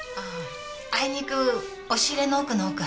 あいにく押し入れの奥の奥。